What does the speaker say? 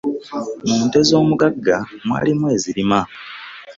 Mu nte z'omugagga mwalimu ezirima.